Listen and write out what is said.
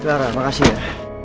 clara makasih ya